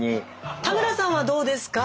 田村さんはどうですか？